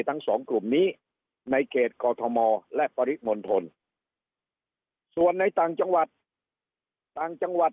ทั้งสองกลุ่มนี้ในเขตกรทมและปริมณฑลส่วนในต่างจังหวัด